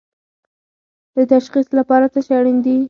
د تشخیص لپاره څه شی اړین دي؟